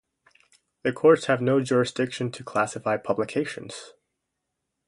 The Courts have no jurisdiction to classify publications.